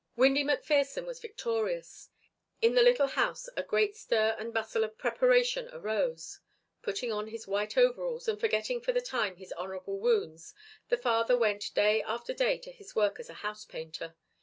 Windy McPherson was victorious. In the little house a great stir and bustle of preparation arose. Putting on his white overalls and forgetting for the time his honourable wounds the father went day after day to his work as a housepainter.